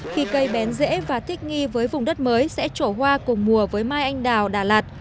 khi cây bén dễ và thích nghi với vùng đất mới sẽ trổ hoa cùng mùa với mai anh đào đà lạt